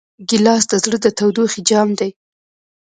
ګیلاس د زړه د تودوخې جام دی.